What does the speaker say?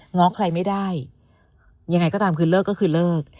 ง้อใครไม่ได้ยังไงก็ตามคือเลิกก็คือเลิก